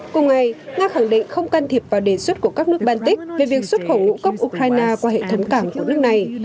cùng ngày nga khẳng định không can thiệp vào đề xuất của các nước baltic về việc xuất khẩu ngũ cốc ukraine qua hệ thống cảng của nước này